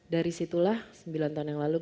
dari situlah sembilan tahun yang lalu